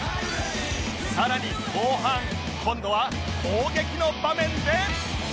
さらに後半今度は攻撃の場面で